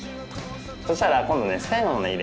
そしたら今度ね線を入れます。